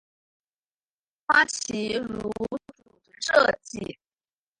花琦如主持设计。